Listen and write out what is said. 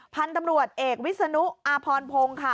พันธุ์ตำรวจเอกวิศนุอาพรพงศ์ค่ะ